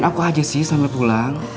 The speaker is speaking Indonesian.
nganggutin aku aja sih sampe pulang